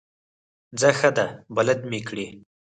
ځه ښه دی بلد مې کړې.